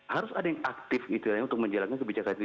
harus ada yang aktif untuk menjalankan kebijakan itu